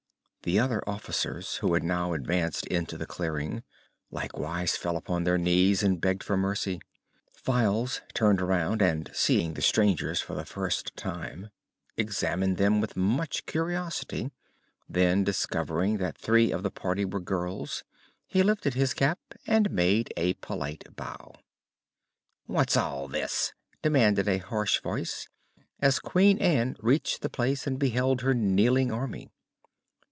The other officers, who had now advanced into the clearing, likewise fell upon their knees and begged for mercy. Files turned around and, seeing the strangers for the first time, examined them with much curiosity. Then, discovering that three of the party were girls, he lifted his cap and made a polite bow. "What's all this?" demanded a harsh voice, as Queen Ann reached the place and beheld her kneeling army.